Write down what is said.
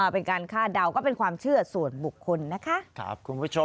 เป็นการคาดเดาก็เป็นความเชื่อส่วนบุคคลนะคะคุณผู้ชม